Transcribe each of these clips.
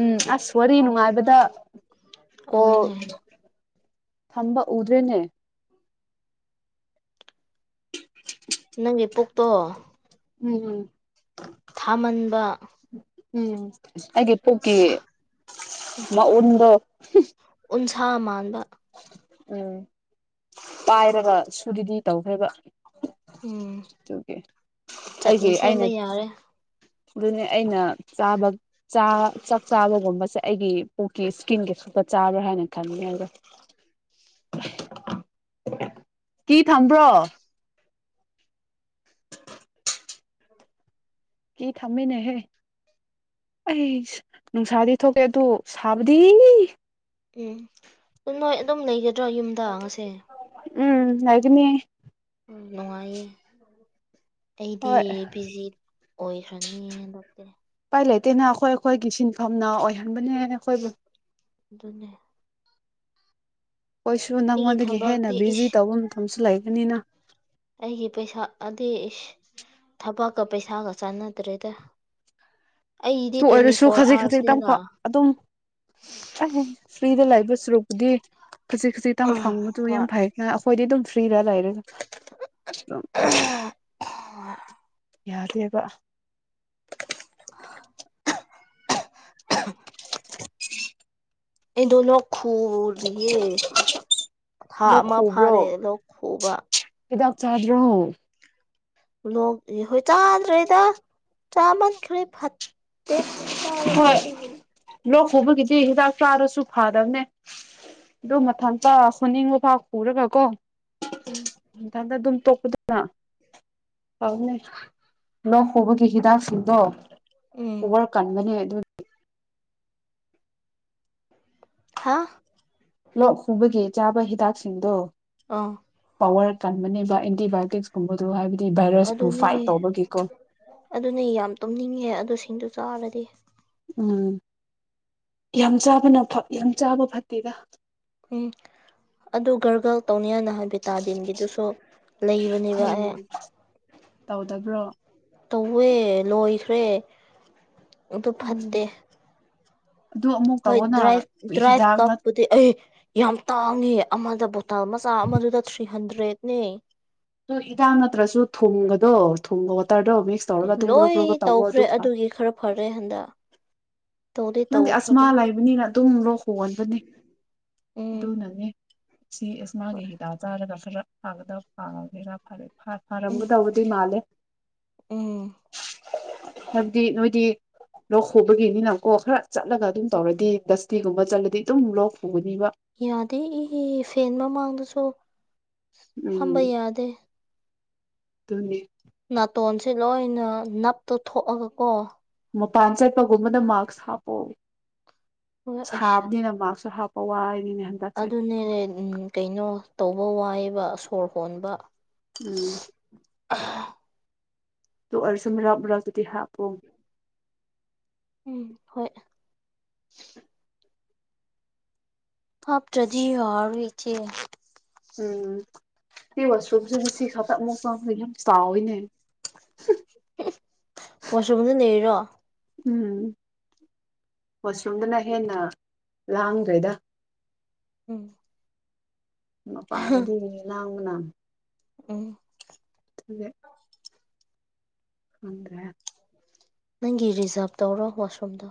ꯎꯝ ꯑꯁ ꯋꯥꯔꯤ ꯅꯨꯡꯉꯥꯏꯕꯗ꯫ ꯀꯣꯜ ꯑꯗꯨꯅꯦ ꯊꯝꯕ ꯎꯗ꯭ꯔꯦꯅꯦ꯫ ꯅꯪꯒꯤ ꯄꯨꯛꯇꯣ꯫ ꯎꯝ ꯎꯝ꯫ ꯊꯥꯃꯟꯕ꯫ ꯎꯝ ꯑꯩꯒꯤ ꯄꯨꯛꯀꯤ ꯃꯎꯟꯗꯣ꯫ ꯎꯟꯁꯥ ꯃꯥꯟꯕ꯫ ꯎꯝ ꯄꯥꯏꯔꯕ ꯁꯨꯗꯨꯗꯤ ꯇꯧꯈ꯭ꯔꯦꯕ꯫ ꯎꯝ ꯑꯗꯨꯒꯤ ꯆꯠꯅꯤ ꯑꯩꯒꯤ ꯑꯩꯅ ꯁꯦꯝꯕ ꯌꯥꯔꯦ꯫ ꯑꯗꯨꯅꯦ ꯑꯩꯅ ꯆꯥꯕ ꯆꯥ ꯆꯥꯛ ꯆꯥꯕꯒꯨꯝꯕꯁꯦ ꯑꯩꯒꯤ ꯄꯨꯣꯛꯀꯤ ꯏꯁꯀꯤꯟ ꯈꯥꯛꯇ ꯆꯥꯕ꯭ꯔꯥ ꯍꯥꯏꯅ ꯈꯟꯕꯅꯦꯕ꯫ ꯀꯤ ꯊꯝꯕ꯭ꯔꯣ꯫ ꯀꯤ ꯊꯝꯅꯦꯍꯦ꯫ ꯑꯩ ꯅꯨꯡꯁꯥꯗꯤ ꯊꯣꯛꯇꯦ ꯑꯗꯨ ꯁꯥꯕꯗꯤ꯫ ꯎꯝ ꯎꯅꯣꯏ ꯑꯗꯨꯝ ꯂꯩꯒ ꯒꯗꯔ ꯌꯨꯝꯗ ꯉꯁꯤ ꯎꯝ ꯂꯩꯒꯅꯤ ꯎꯝ ꯅꯨꯡꯉꯥꯏꯌꯦ꯫ ꯑꯩꯗꯤ ꯍꯣꯏ ꯕꯤꯖꯤ ꯑꯣꯏꯈ꯭ꯔꯅꯤ ꯍꯟꯗꯛꯇꯤ꯫ ꯎꯄꯥꯏ ꯂꯩꯇꯦꯅ ꯑꯩꯈꯣꯏ ꯑꯩꯈꯣꯏꯒꯤ ꯁꯤꯟꯐꯝꯅ ꯑꯣꯏꯍꯟꯕꯅꯦ ꯑꯩꯈꯣꯏꯕꯨ꯫ ꯑꯗꯨꯅꯦ ꯑꯣꯏꯁꯨ ꯑꯩꯒꯤ ꯅꯪꯉꯣꯟꯗꯒꯤ ꯍꯦꯟꯅ ꯊꯕꯛꯇꯤ ꯕꯤꯖꯤ ꯏꯁ ꯇꯧꯕ ꯃꯇꯝꯁꯨ ꯂꯩꯕꯅꯤꯅ꯫ ꯑꯩꯒꯤ ꯄꯩꯁꯥ ꯑꯗꯤ꯫ ꯊꯥꯕꯛꯀ ꯄꯩꯁꯥꯒ ꯆꯥꯟꯅꯗ꯭ꯔꯦꯗ꯫ ꯑꯩꯗꯤ ꯑꯗꯨ ꯇ꯭ꯋꯦꯟꯇꯤ ꯑꯣꯏꯔꯁꯨ ꯐꯣꯔ ꯈꯖꯤꯛ ꯈꯖꯤꯛ ꯑꯥꯋꯥꯔꯁꯅꯤꯅ ꯇꯪꯄ ꯑꯗꯨꯝ꯫ ꯐ꯭ꯔꯤꯗ ꯂꯩꯕ ꯁꯔꯨꯛꯄꯨꯗꯤ꯫ ꯈꯖꯤꯛ ꯈꯖꯤꯛꯇꯪ ꯐꯪꯕꯗꯨ ꯍꯣꯏ ꯌꯥꯝ ꯐꯩ ꯑꯩꯈꯣꯏꯗꯤ ꯑꯗꯨꯝ꯫ ꯐꯔꯤꯔ ꯂꯩꯔꯒ ꯑꯗꯨꯝ꯫ ꯑꯥꯥ꯫ ꯌꯥꯗꯦꯕ꯫ ꯑꯩꯗꯣ ꯂꯣꯛ ꯈꯨꯔꯤꯌꯦ꯫ ꯊꯥ ꯂꯣꯛ ꯑꯃ ꯈꯨꯕ꯭ꯔꯣ ꯐꯥꯔꯦ ꯂꯣꯛ ꯈꯨꯕ꯫ ꯍꯤꯗꯥꯛ ꯆꯥꯗ꯭ꯔꯣ꯫ ꯂꯣꯛ ꯍꯣꯏ ꯆꯥꯗ꯭ꯔꯦꯗ ꯆꯥꯃꯟꯈ꯭ꯔꯦ ꯐꯠꯇꯦ꯫ ꯆꯒ ꯁꯣ ꯍꯣꯏ ꯑꯗꯨꯁꯦ ꯂꯣꯛ ꯎꯕꯒꯤꯗꯤ ꯍꯤꯗꯥꯛ ꯆꯥꯔꯁꯨ ꯐꯥꯗꯕꯅꯦ ꯑꯗꯨ ꯃꯊꯟꯇ ꯍꯨꯅꯤꯡꯕ ꯄꯥꯎ ꯈꯨꯔꯒ ꯀꯣ ꯎꯝ ꯃꯊꯪꯇ ꯑꯗꯨꯝ ꯄꯅ ꯂꯧꯣꯛ ꯍꯕꯒꯤ ꯍꯤꯗꯥꯛꯁꯤꯡꯗꯣ ꯎꯝ ꯕꯔ ꯀꯟꯕꯅꯦ ꯑꯗꯨꯒꯤ ꯍꯥ ꯂꯣꯛ ꯍꯨꯕꯒꯤ ꯆꯥꯕ ꯍꯤꯗꯥꯛꯁꯤꯡꯗꯣ ꯑꯥ ꯄꯋꯥꯔ ꯀꯟꯕꯅꯦꯕ ꯑꯦꯟꯇꯤꯕꯥꯏꯌꯣꯇꯤꯛꯁꯀꯨꯝꯕꯗꯨ ꯍꯥꯏꯕꯗꯤ ꯚꯥꯏꯔꯁꯄꯨ ꯑꯗꯨꯅꯦ ꯐꯥꯏꯠ ꯇꯧꯕꯒꯤꯀꯣ ꯑꯗꯨꯅꯦ ꯌꯥꯝ ꯇꯨꯝꯅꯤꯡꯉꯦ ꯑꯗꯨ ꯁꯤꯡꯗꯨ ꯆꯥꯔꯗꯤ ꯎꯝ ꯌꯥꯝ ꯆꯥꯕꯅ ꯌꯥꯝ ꯆꯥꯕ ꯐꯠꯇꯦꯗ ꯎꯝ ꯑꯗꯨ ꯒꯔꯒꯜ ꯇꯧꯅꯤꯌꯥ ꯅꯍꯥꯟ ꯚꯤꯇꯥꯗꯤꯟꯒꯤꯗꯨꯁꯨ ꯂꯩꯕꯅꯦꯕ ꯑꯦ ꯎꯝ ꯇꯧꯗꯕ꯭ꯔꯣ ꯇꯧꯋꯦ ꯂꯣꯏꯈ꯭ꯔꯦ ꯑꯗꯨ ꯎꯝ ꯐꯠꯇꯦ ꯑꯗꯨ ꯑꯃꯨꯛ ꯍꯣꯏ ꯇꯧꯑꯣꯅ ꯗ꯭ꯔꯥꯏ ꯗ꯭ꯔꯥꯏꯚ ꯍꯤꯗꯥꯛ ꯅꯠ ꯀꯥꯐꯄꯗꯤ ꯌꯥꯝ ꯇꯥꯡꯉ ꯑꯃꯗ ꯕꯣꯇꯥꯜ ꯃꯆꯥ ꯑꯃꯗꯨꯗ ꯊ꯭ꯔꯤ ꯍꯟꯗ꯭ꯔꯦꯠꯅꯦ ꯑꯣ ꯏꯤꯗꯥꯛ ꯅꯠꯇ꯭ꯔꯁꯨ ꯊꯨꯝꯕꯗꯣ ꯊꯨꯝꯕ ꯇꯔꯗꯣ ꯑꯣ ꯃꯤꯛꯁ ꯇꯧꯔꯒ ꯂꯣꯏ ꯇꯨꯡꯒ꯭ꯔꯣ ꯭ꯔꯣꯣ ꯇꯧꯕꯧꯕ ꯇꯧꯈ꯭ꯔꯦ ꯑꯗꯨ ꯐ ꯑꯗꯨꯒꯤ ꯈꯔ ꯐꯔꯦ ꯍꯟꯗꯛ ꯇꯧꯗꯤ ꯅꯪꯗꯤ ꯑꯁꯃꯥ ꯇꯧꯈ꯭ꯔꯕꯅꯤ ꯂꯩꯕꯅꯤꯅ ꯑꯗꯨꯝ ꯂꯣꯛ ꯍꯣꯡꯍꯟꯕꯅꯤ ꯎꯝ ꯑꯗꯨꯅꯅꯦ ꯁꯤ ꯍꯣꯏ ꯑꯦꯃꯥꯒꯤ ꯍꯤꯗ ꯆꯥꯔꯒ ꯐꯔ ꯐꯥꯒꯗꯕ ꯐꯥꯉꯒꯦꯔ ꯐꯔ ꯍ ꯍ ꯔꯝꯒꯗꯕꯨꯗ ꯃꯥꯜ ꯎꯝ ꯍꯥꯏꯕꯗꯤ ꯅꯣꯏꯗꯤ ꯂꯧꯣꯛ ꯍꯕꯒꯤꯅꯤꯅꯀꯣ ꯈꯔ ꯆꯠꯂꯒ ꯑꯗꯨꯝ ꯎꯝ ꯇꯧꯔꯗꯤꯁ ꯐꯤꯒꯨꯝꯕ ꯆꯠꯂꯗꯤ ꯑꯗꯨꯝ ꯂꯣꯛ ꯄꯨꯒꯅꯤꯕ ꯌꯥꯗꯦ ꯏ ꯐꯦꯟ ꯃꯃꯥꯡꯗꯁꯨ ꯐꯝꯕ ꯌꯥꯗꯦ ꯑꯗꯨꯅꯦ ꯅꯥꯇꯣꯟꯁꯦ ꯂꯣꯏꯅ ꯅꯞꯇ ꯊꯣꯛꯑꯒ ꯀꯣ ꯃꯄꯥꯟ ꯆꯠꯄꯒꯨꯝꯕꯅ ꯃꯥꯛꯁ ꯍꯥꯞꯄꯑꯣ ꯍꯣꯏ ꯑꯁ ꯁꯥꯕꯅꯤꯅ ꯃꯥꯛꯁꯁꯨ ꯍꯥꯞꯄ ꯍ ꯑꯗꯨꯅꯦ ꯀꯩꯅꯣ ꯇꯧꯕ ꯋꯥꯏꯕ ꯁꯣꯔ ꯍꯣꯟꯕ ꯎꯝ ꯑ ꯇ ꯑ ꯁꯨꯝ ꯔꯥꯛꯕꯔꯥꯛ ꯑꯗꯨꯗꯤ ꯍꯥꯞꯄꯣ ꯎꯝ ꯍꯣꯏ ꯍꯥ ꯇ꯭ꯔꯖꯤ ꯍꯥꯏꯔ ꯏꯆꯦ ꯎꯝ ꯁꯤ ꯋꯥꯁꯔꯨꯝꯁꯤꯅ ꯁꯤ ꯈꯛꯇ ꯑꯃꯨꯛ ꯆ ꯌꯥꯝ ꯆꯥꯎꯋꯏꯅꯦ ꯃꯁꯃꯗꯤ ꯅꯔꯣ ꯎꯝ ꯃꯁꯔꯨꯝꯗꯨꯅ ꯍꯦꯟꯅ ꯂꯥꯡꯈ꯭ꯔꯩꯗ ꯎꯝ ꯄꯅꯗꯤ ꯂꯥꯡꯅꯥ ꯎꯝ ꯊꯦ ꯐꯗꯦ ꯅꯪꯒꯤ ꯔꯤꯖꯥꯕ ꯇꯧꯔꯣ ꯋꯥꯁꯔꯨꯝꯗꯣ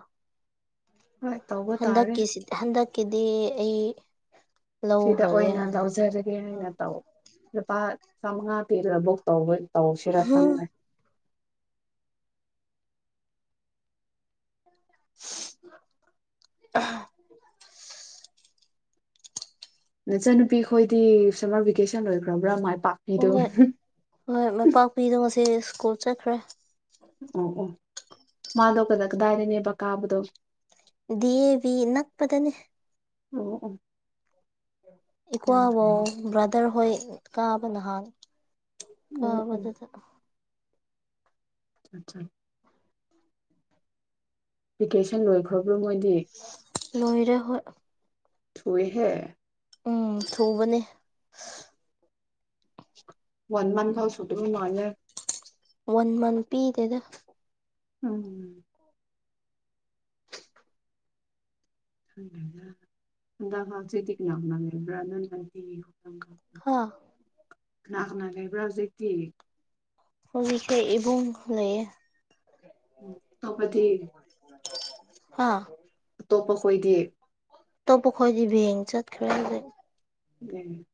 ꯍꯣꯏ ꯇꯧꯕ ꯇꯥꯔꯦ ꯍꯟꯗꯛꯀꯤꯁꯤꯗꯤ ꯍꯟꯗꯛꯀꯤꯗꯤ ꯑꯩ ꯁꯤꯗ ꯂꯧꯈ꯭ꯔꯒꯦ ꯑꯣꯏꯅ ꯍꯥꯏꯅ ꯂꯧꯖꯔꯒꯦꯅ ꯇꯧ ꯂꯨꯄꯥ ꯆꯥꯃꯉꯥ ꯄꯤꯔꯒ ꯕꯨꯛ ꯇꯧꯕ ꯇꯧꯁꯤꯔꯥ ꯈꯪꯅꯦ ꯍꯣꯏ ꯑ ꯅꯆꯟꯅꯨꯄꯤ ꯈꯈꯣꯏꯗꯤ ꯁꯝꯃꯔ ꯚꯦꯀꯦꯁꯟ ꯂꯣꯏꯈ꯭ꯔꯕ꯭ꯔꯥ ꯄꯥꯛꯄꯤꯗꯣ ꯑꯣꯏ ꯍꯣꯏ ꯃꯥꯏꯄꯥꯛꯄꯤꯗꯣ ꯉꯁꯤ ꯁ꯭ꯀꯨꯜ ꯆꯠꯈ꯭ꯔꯦ ꯑꯣ ꯑꯣ ꯃꯥꯗꯣ ꯀꯗꯥ ꯀꯗꯥꯏꯔꯤꯅꯦꯕ ꯀꯥꯕꯗꯣ ꯗꯤ ꯑꯦ ꯚꯤ ꯅꯛꯄꯗꯅꯦ ꯑꯣ ꯑꯣ ꯌꯥꯝ ꯏꯀ꯭ꯋꯥꯕꯧ ꯐꯩꯌꯦ ꯕ꯭ꯔꯥꯗꯔ ꯍꯣꯏ ꯀꯥꯕ ꯅꯍꯥꯛ ꯑꯣ ꯑꯣ ꯀꯕꯗꯗ ꯑꯆꯥ ꯚꯤꯀꯦꯁꯟ ꯂꯣꯏꯈ꯭ꯔꯕ꯭ꯔꯥ ꯃꯣꯏꯗꯤ ꯂꯣꯏꯔꯦ ꯍꯣꯏ ꯊꯣꯏꯍꯦ ꯎꯝ ꯊꯨꯕꯅꯦ ꯋꯥꯟꯃꯥꯟ ꯈꯥꯎ ꯁꯇ ꯃꯥꯅꯦꯦ ꯋꯥꯟ ꯃꯟꯊ ꯄꯤꯗꯦꯗ ꯎꯝ ꯍꯗ ꯍꯜꯁ ꯀꯅ ꯍꯅ ꯃꯕ꯭ꯔꯅ ꯍꯥꯥ ꯂꯥꯛꯅ ꯂꯩꯕ꯭ꯔꯥ ꯍꯧꯁꯀꯤ ꯍꯧꯈꯩ ꯏꯕꯨꯡ ꯂꯩ ꯎꯝ ꯑꯇꯣꯞꯄꯗꯤ ꯑꯥ ꯑꯇꯣꯞꯄ ꯈꯣꯏꯗꯤ ꯑꯇꯣꯞꯄ ꯑꯩꯈꯣꯏꯗꯤ ꯕꯦꯡ ꯆꯠꯈ꯭ꯔꯦ ꯑꯗꯨꯖꯤ ꯎꯝ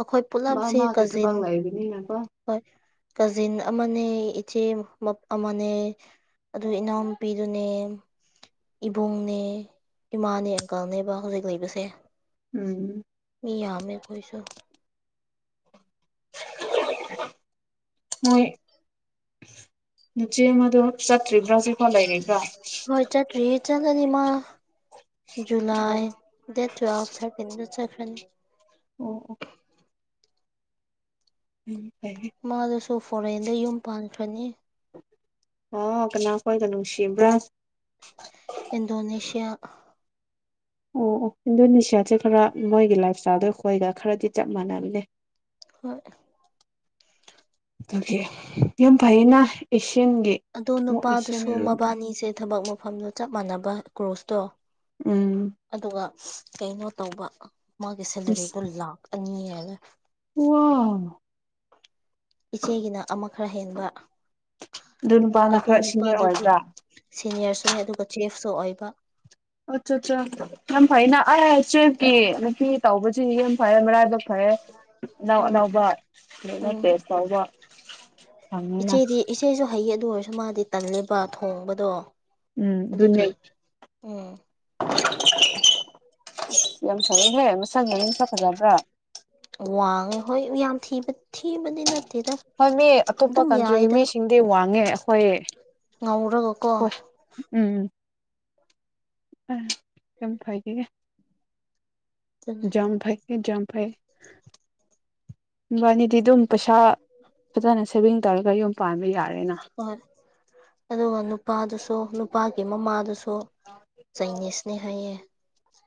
ꯑꯩꯈꯣꯏ ꯃꯥ ꯄꯨꯂꯝꯞꯁꯤ ꯃꯥꯒꯤ ꯀꯖꯤꯟ ꯊꯕꯛ ꯂꯩꯕꯅꯤꯅꯀꯣ ꯍꯣꯏ ꯀꯖꯤꯟ ꯑꯃꯅꯦ ꯏꯆꯦ ꯑꯃꯅꯦ ꯑꯗꯨ ꯏꯅꯥꯎꯨꯄꯤꯗꯨꯅꯦ ꯏꯕꯨꯡꯅꯦ ꯏꯃꯥꯅꯦ ꯑꯪꯀꯜꯅꯦꯕ ꯍꯧꯖꯤꯛ ꯂꯩꯕꯁꯦ ꯎꯝ ꯏ ꯌꯥꯃꯦ ꯀꯣꯏꯁ [unintelligible] ꯍꯣꯏ ꯅꯨꯆꯦ ꯑꯃꯗ ꯆꯠꯇ꯭ꯔꯤꯕ꯭ꯔꯥ ꯁꯤꯦꯀꯣ ꯂꯩꯔꯤꯕ꯭ꯔꯥ ꯍꯣꯏ ꯆꯠ꯭ꯔꯤ ꯆꯒꯅꯤꯃ ꯑꯣ ꯖꯨꯂꯥꯏ ꯗꯦꯠ ꯇꯨꯋꯦꯜ ꯍꯥꯏꯔꯀꯤꯟ ꯆꯈ꯭ꯔꯅꯤ ꯑꯣꯝ ꯑꯣ ꯎꯝ ꯐꯩ ꯃꯥꯗꯨꯁꯨ ꯐꯣꯔꯦꯟꯗ ꯌꯨꯝ ꯄꯥꯟꯈ꯭ꯔꯅꯤ ꯑꯣ ꯀꯅꯥ ꯀꯣꯏꯗꯅꯅꯨꯡꯁꯤꯕ꯭ꯔꯥ ꯏꯟꯗꯣꯅꯦꯁꯤꯌꯥ ꯑꯣ ꯑꯣ ꯏꯟꯗꯣꯅꯦꯁꯤꯌꯥꯁꯦ ꯈꯔ ꯃꯣꯏꯒꯤ ꯂꯥꯏꯞ ꯏꯁꯇꯥꯏꯜꯗꯣ ꯑꯩꯈꯣꯏꯒ ꯈꯔꯗꯤ ꯆꯞ ꯃꯥꯟꯅꯝꯅꯦ ꯍꯣꯏ ꯌꯥꯝ ꯐꯥꯏꯅꯁꯤ ꯑꯗꯣ ꯅꯨꯄꯥꯗꯨꯁꯨ ꯃꯕꯥꯅꯤꯁꯦ ꯊꯕꯛ ꯃꯐꯝꯗꯣ ꯆꯞ ꯃꯥꯟꯅꯕ ꯀꯣꯔ꯭ꯔꯣꯁꯇꯣ ꯎꯝ ꯀꯩꯅꯣ ꯇꯧꯕ ꯃꯥꯒꯤ ꯁꯦꯂꯔꯤꯗꯣ ꯂꯥꯛ ꯑꯅꯤ ꯍꯥꯏꯒ ꯋꯥ ꯏꯆꯦꯒꯤꯅ ꯑꯃ ꯈꯔ ꯍꯦꯟꯕ ꯑꯗꯨ ꯅꯨꯄꯥꯅ ꯑꯗꯨ ꯈꯔ ꯁꯤꯅꯤꯌꯔ ꯅꯨꯄꯥꯗꯨꯗꯤ ꯑꯣꯏꯕ꯭ꯔꯥ ꯁꯤꯅꯤꯌꯔꯁꯨꯅꯦ ꯑꯗꯨꯒ ꯆꯤꯐ ꯁꯣꯛꯏꯕ ꯑꯠꯆꯥ ꯑꯠꯆꯥ ꯌꯥꯝ ꯐꯩꯅ ꯑ ꯆꯒꯤ ꯇꯧꯕꯁꯤ ꯌꯦ ꯐꯔꯦ ꯃꯔꯥꯏꯕꯛ ꯐꯔꯦ ꯑꯅꯎ ꯎꯝ ꯑꯅꯎꯕ ꯑꯗꯨꯅ ꯎꯝ ꯇꯦꯁ ꯇꯧꯕ ꯐꯪꯉꯤꯅ ꯏꯆꯦꯗꯤ ꯏꯆꯦꯁꯨ ꯍꯩ ꯑꯗꯨ ꯑꯣꯏꯔꯁꯨ ꯃꯥꯗꯤ ꯇꯜꯂꯦꯕ ꯊꯣꯡꯕꯗꯣ ꯎꯝ ꯟꯌꯥ ꯑꯗꯨꯒꯤ ꯎꯝ ꯌꯥꯝ ꯁꯔꯦꯍꯦ ꯃꯁꯥ ꯌꯥꯅꯝꯁ ꯐꯖꯕ꯭ꯔꯥ ꯋꯥꯡꯉꯦ ꯍꯣꯏ ꯌꯥꯝ ꯊꯤꯕꯗꯤ ꯅꯠꯇꯦ ꯍꯣꯏ ꯃꯤ ꯑꯇꯣꯞꯄ ꯀꯟꯇ꯭ꯔꯤꯒꯤ ꯃꯤꯁꯤꯡꯗꯤ ꯋꯥꯡꯉꯦ ꯑꯩꯣꯏ ꯉꯥꯎꯔꯒꯀꯣ ꯎꯝꯝ ꯑ ꯀꯝ ꯐꯒꯦ ꯑꯗꯨꯅꯦ ꯌꯥ ꯐꯥꯏ ꯌꯥꯝ ꯐꯥꯏ ꯕꯥꯅꯤꯗꯤ ꯑꯗꯨꯝ ꯄꯩꯁꯥ ꯐꯖꯅ ꯁꯦꯚꯤꯡ ꯇꯧꯔꯒ ꯌꯨꯝ ꯄꯥꯟꯕ ꯌꯥꯔꯦ ꯍꯣꯏ ꯑꯗꯨꯒ ꯅꯨꯄꯥꯗꯨꯁꯨ ꯅꯨꯄꯥꯒꯤ ꯃꯃꯥꯗꯨꯁꯨ ꯊꯣ ꯆꯥꯏ ꯅꯁꯤꯅꯦ ꯍꯥꯏꯌꯦ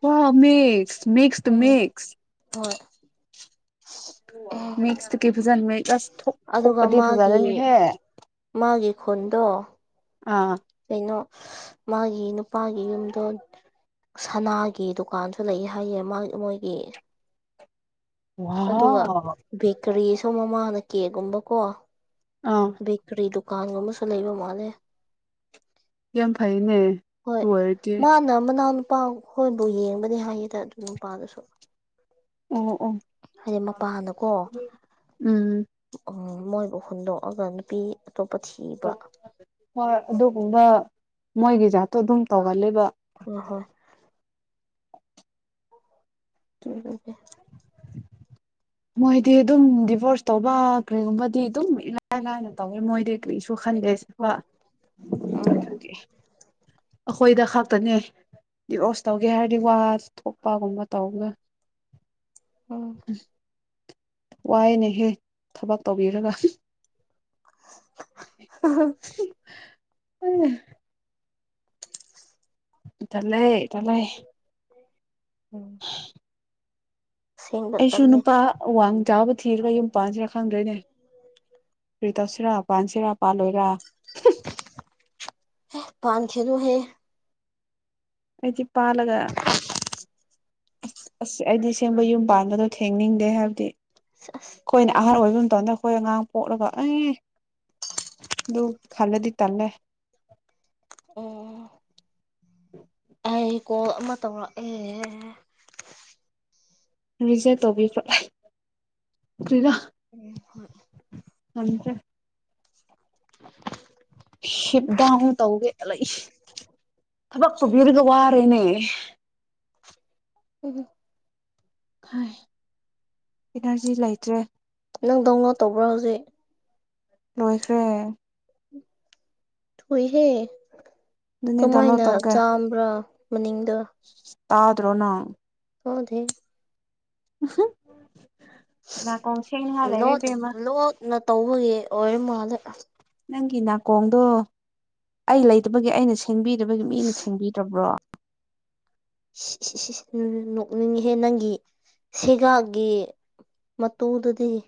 ꯍ ꯃꯤꯁ ꯃꯁ ꯎꯝ ꯃꯤꯁ [unintelligible] ꯃꯤꯛꯁꯇ ꯀꯩ ꯐꯖꯟꯕ ꯀ꯭ꯂꯁ ꯑꯗꯨꯒ ꯊꯣꯛꯄꯗꯤ ꯃꯥꯒꯤ ꯐꯖꯔꯅꯤꯍꯦ ꯃꯥꯒꯤ ꯈꯨꯟꯗꯣ ꯑꯥ ꯀꯩꯅꯣ ꯃꯥꯒꯤ ꯅꯨꯄꯥꯒꯤ ꯌꯨꯝꯗꯣ ꯁꯅꯥꯒꯤ ꯗꯨꯀꯥꯟꯁꯨ ꯂꯩ ꯍꯥꯏꯌꯦ ꯃꯣꯏꯒꯤ ꯑꯗꯨꯒ ꯋꯥꯎ ꯕꯦꯀꯔꯤꯁ ꯁꯣ ꯃꯃꯥꯅ ꯀꯦꯛꯒꯨꯝꯕꯀꯣ ꯑꯥ ꯕꯦꯀꯔꯤ ꯗꯨꯀꯥꯟꯒꯨꯝꯕꯁꯨ ꯂꯩꯕ ꯃꯥꯜꯂꯦ ꯌꯥꯝ ꯐꯩꯅꯦ ꯍꯣꯏ ꯑꯗꯨ ꯑꯣꯏꯔꯗꯤ ꯃꯥꯅ ꯃꯅꯥꯎ ꯅꯨꯄꯥ ꯍꯣꯏꯕꯨ ꯌꯦꯡꯕꯅꯤ ꯍꯥꯏꯌꯦꯗ ꯑꯗꯨ ꯅꯨꯄꯥꯗꯨꯁꯨ ꯑꯣ ꯑꯣ ꯍꯥꯏꯗꯤ ꯃꯄꯥꯟꯅꯀꯣ ꯎꯝ ꯃꯣꯏꯕꯨ ꯍꯨꯟꯗꯣꯛꯑꯒ ꯅꯨꯄꯤ ꯑꯇꯣꯞꯄ ꯊꯤꯕ ꯍꯣꯏ ꯑꯗꯨꯒꯨꯝꯕ ꯃꯣꯏꯒꯤꯖꯥꯇꯣ ꯑꯗꯨꯝ ꯇꯧꯒꯂꯕ ꯑ ꯍꯣ ꯎꯀꯦ ꯃꯣꯏꯗꯤ ꯑꯗꯨꯝ ꯗꯤꯚꯣꯔꯁ ꯇꯧꯕ ꯀꯔꯤꯒꯨꯝꯕꯗꯤ ꯑꯗꯨꯝ ꯏꯂꯥꯏ ꯂꯥꯏꯅ ꯇꯧꯋ ꯃꯣꯏꯗꯤ ꯀꯔꯤꯁꯨ ꯁ ꯈꯟꯒꯦ ꯆꯄ ꯍꯣꯏ ꯎꯝ ꯑꯩꯈꯣꯏꯗ ꯈꯛꯇꯅꯦ ꯗꯤꯚꯣꯁ ꯇꯧꯒꯦ ꯍꯥꯏꯔꯗꯤ ꯋꯥ ꯊꯣꯛꯄꯒꯨꯝꯕ ꯇꯧꯅ ꯎꯝ ꯋꯥꯏꯦꯅꯦꯍꯦ ꯊꯕꯛ ꯇꯧꯕꯤꯔꯒ ꯎ ꯎꯝ ꯏꯗ ꯂꯩꯦ ꯏꯗ ꯂꯩꯦ ꯎꯝ ꯑꯁꯦꯡꯕ ꯑꯩꯁꯨ ꯇꯜꯂꯦ ꯅꯨꯄꯥ ꯋꯥꯡ ꯆꯥꯕ ꯊꯤꯔꯒ ꯌꯨꯝ ꯄꯥꯟꯁꯤꯔꯥ ꯈꯪꯗꯣꯏꯅꯦ ꯇꯧꯁꯤꯔꯥ ꯄꯥꯟꯁꯤꯔꯥ ꯄꯥꯜꯂꯣꯏꯔꯥ ꯄꯥꯟ ꯈꯅꯨ ꯍꯦ ꯑꯗꯤ ꯄꯥꯂꯒ ꯑ ꯑꯁ ꯑꯩꯗꯤ ꯁꯦꯝꯕ ꯌꯨꯝ ꯄꯥꯟꯕꯗꯣ ꯊꯦꯡꯅꯤꯡꯗꯦ ꯍꯥꯏꯕꯗꯤ ꯑꯁ ꯑꯩꯈꯣꯏꯅ ꯑꯍꯥꯟꯕ ꯑꯣꯏꯕ ꯑꯗꯨ ꯅꯈꯣꯏ ꯑꯉꯥꯡ ꯄꯣꯛꯂꯒ ꯑꯦ ꯑꯗꯨꯗꯨ ꯈꯜꯂꯗꯤ ꯇꯜꯂꯦ ꯑꯣ ꯍ ꯀꯣ ꯑꯃ ꯇꯧꯔꯛꯑꯦ ꯔꯤꯖꯦꯛ ꯇꯕꯤ ꯀꯔꯤꯗ ꯎꯝ ꯍꯣꯏ ꯊꯪꯗ [unintelligible] ꯁꯤꯕꯗ ꯑꯃꯨ ꯇꯧꯒꯦꯂ ꯊꯕꯛ ꯄꯨꯨꯕꯤꯔꯒ ꯋꯥꯔꯦꯅꯦ ꯎ ꯍꯥꯏ ꯏꯅꯔꯖꯤ ꯂꯩꯇ꯭ꯔꯦ ꯅꯪ ꯗꯎꯟꯂꯣꯠ ꯇꯧꯕ꯭ꯔꯣ ꯍꯧꯖꯤꯛ ꯂꯣꯏꯁꯦ ꯊꯨꯏꯍꯦ ꯑꯗꯨꯅꯦ ꯗꯥꯎꯟꯂꯣꯗ ꯀꯃꯥꯏꯅ ꯇꯧꯔꯒ ꯆꯥꯝꯕ꯭ꯔꯥ ꯃꯅꯤꯡꯗ ꯇꯥꯗ꯭ꯔꯣꯅ ꯍꯗꯦ ꯑ ꯂ ꯏꯕꯦꯝꯃ ꯂꯣꯟꯅ ꯇꯧꯕꯒꯤ ꯑꯣꯏꯔꯝ ꯃꯥꯜꯂꯦ ꯅꯪꯒꯤ ꯅꯥꯀꯣꯡꯗꯣ ꯑꯩ ꯂꯩꯇꯕꯒꯤ ꯑꯩꯅ ꯁꯦꯡꯕꯤꯗꯕꯒꯤ ꯃꯤꯅ ꯁꯦꯡꯕꯤꯗ꯭ꯔꯕ꯭ꯔꯣ ꯍꯦ ꯅꯪꯒꯤ ꯁꯦꯒꯒꯤ ꯃ ꯎꯗꯗꯤꯦ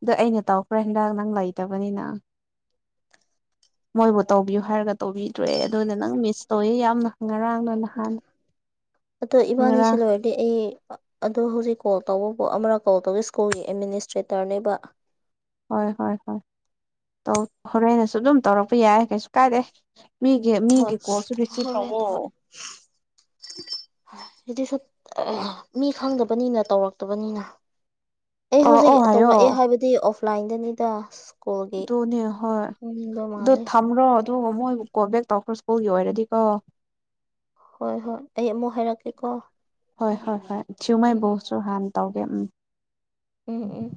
ꯑꯗꯣ ꯑꯩꯅ ꯇꯧꯈ꯭ꯔꯦ ꯍꯟꯗꯥꯛ ꯅꯪ ꯂꯩꯇꯕꯅꯤꯅ ꯃꯣꯏꯕꯨ ꯇꯧꯕꯤꯌꯨ ꯍꯥꯏꯔꯒ ꯇꯧꯕꯤꯗ꯭ꯔꯦ ꯑꯗꯨꯅ ꯅꯪ ꯃꯤꯁ ꯇꯧꯋ ꯌꯥꯝꯅ ꯉꯔꯥꯡ ꯑꯣ ꯏꯕꯥꯅꯤ ꯉꯔꯥꯡ ꯁꯤꯂꯣ ꯍꯥꯏꯗꯤ ꯑꯩ ꯑꯗꯣ ꯍꯧꯖꯤꯛ ꯀꯣꯜ ꯇꯧꯕꯕꯨ ꯑꯃꯅ ꯀꯣꯜ ꯇꯧꯋꯤ ꯁ꯭ꯀꯨꯜꯒꯤ ꯑꯦꯗꯃꯤꯅꯤꯁꯇ꯭ꯔꯦꯇꯔꯅꯦꯕ ꯍꯣꯏ ꯍꯣꯏ ꯍꯣꯏ ꯍꯣꯔꯦꯟꯅꯁꯨ ꯑꯗꯨꯝ ꯇꯧꯔꯛꯄ ꯌꯥꯏ ꯀꯩꯁꯨ ꯀꯥꯏꯗꯦ ꯃꯤꯒꯤ ꯍꯣꯏ ꯃꯤꯒꯤ ꯀꯣꯜꯁꯨ ꯔꯤꯁꯤꯞ ꯍꯣꯔꯦꯟ ꯇꯧꯋ ꯍꯣꯏ ꯁꯤꯗꯤꯁꯨ ꯃꯤ ꯈꯪꯗꯕꯅꯤꯅ ꯇꯧꯔꯛꯇꯕꯅꯤꯅ ꯑꯩ ꯍꯧꯖꯤꯛ ꯇꯧꯔꯛꯑꯣ ꯍꯥꯏꯌꯣ ꯇꯧꯔꯛꯑꯦ ꯍꯥꯏꯕꯗꯤ ꯑꯣꯐꯂꯥꯏꯟꯗꯅꯤꯗ ꯁ꯭ꯀꯨꯜꯒꯤ ꯇꯅꯦ ꯍꯣꯏ ꯈꯪꯅꯤꯡꯕ ꯑꯗꯨ ꯃꯥꯜꯂꯦ ꯊꯝꯔꯣ ꯑ ꯃꯣꯏꯕꯨ ꯀꯣꯜꯕꯦꯛ ꯇꯧꯈ꯭ꯔꯣ ꯁ꯭ꯀꯨꯜꯒꯤ ꯑꯣꯏꯔꯗꯤ ꯀꯣ ꯍꯣꯏ ꯍꯣꯏ ꯑꯩ ꯑꯃꯨꯛ ꯍꯥꯏꯔꯛꯀꯦꯀꯣ ꯍꯣꯏ ꯍꯣꯏ ꯍꯣꯏ ꯎꯝ ꯊꯤꯌꯨꯉꯩꯕꯨꯁꯨ ꯍꯥꯟꯅ ꯇꯧꯒꯦ ꯎꯝ ꯎꯝ ꯎꯝ